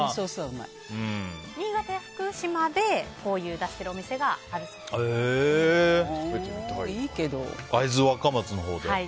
新潟や福島でこう出しているお店があるそうです。